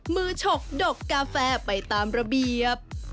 ฉกดกกาแฟไปตามระเบียบ